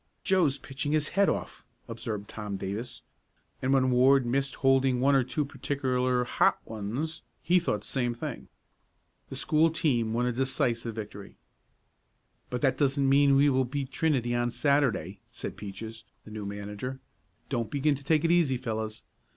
"Joe's pitching his head off," observed Tom Davis, and when Ward missed holding one or two particular "hot" ones he thought the same thing. The school team won a decisive victory. "But that doesn't mean we will beat Trinity on Saturday," said Peaches, the new manager. "Don't begin to take it easy, fellows.